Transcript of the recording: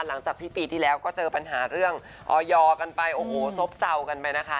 หลังจากที่ปีที่แล้วก็เจอปัญหาเรื่องออยกันไปโอ้โหซบเซากันไปนะคะ